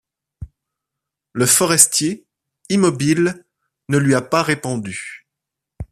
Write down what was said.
Le forestier, immobile, ne lui a pas répondu.